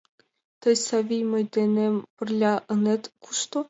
Тый, Савий, мый денем пырля ынет кушто?